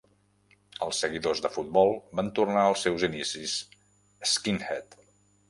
Els seguidors de futbol van tornar als seus inicis skinhead.